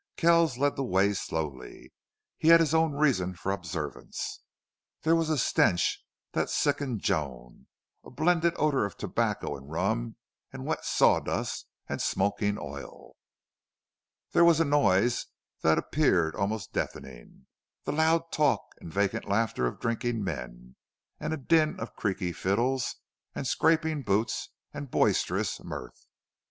Kells led the way slowly. He had his own reason for observance. There was a stench that sickened Joan a blended odor of tobacco and rum and wet sawdust and smoking oil. There was a noise that appeared almost deafening the loud talk and vacant laughter of drinking men, and a din of creaky fiddles and scraping boots and boisterous mirth.